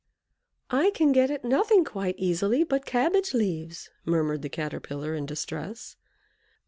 "I can get at nothing quite easily but cabbage leaves," murmured the Caterpillar, in distress.